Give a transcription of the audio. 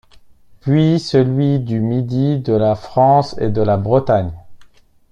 Puis celui du midi de la France et de la Bretagne.